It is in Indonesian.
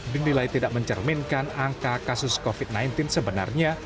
dinilai tidak mencerminkan angka kasus covid sembilan belas sebenarnya